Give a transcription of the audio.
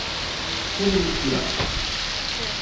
Todo mesturado.